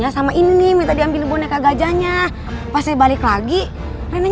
apa kamu sengaja menghukum saya kayak gini nid